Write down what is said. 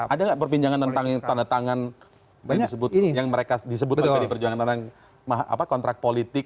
ada nggak perbincangan tentang tanda tangan yang disebut yang mereka disebut di perjuangan tentang kontrak politik